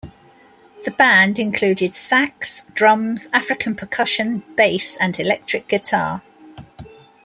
The band included sax, drums, African percussion, bass and electric guitar.